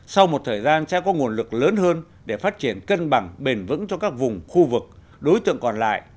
sau một thời gian sẽ có nguồn lực lớn hơn để phát triển cân bằng bền vững cho các vùng khu vực đối tượng còn lại